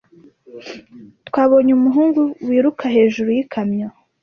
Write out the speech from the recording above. Twabonye umuhungu wiruka hejuru yikamyo.